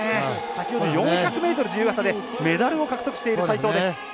先ほど４００ｍ自由形でメダルを獲得している齋藤です。